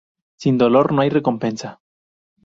Sin dolor no hay recompensa